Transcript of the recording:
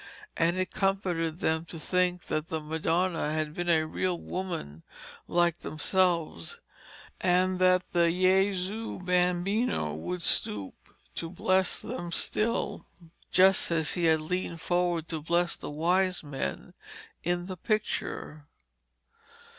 And it comforted them to think that the Madonna had been a real woman like themselves, and that the Jesu Bambino would stoop to bless them still, just as He leaned forward to bless the wise men in the picture.